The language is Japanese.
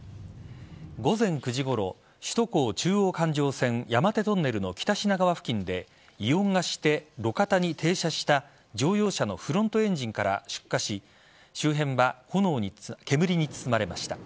午前９時ごろ首都高中央環状線山手トンネルの北品川付近で異音がして、路肩に停車した乗用車のフロントエンジンから出火し周辺は煙に包まれました。